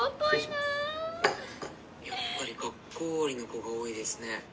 やっぱり学校終わりの子が多いですね。